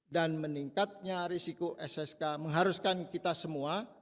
dan meningkatnya risiko ssk mengharuskan kita semua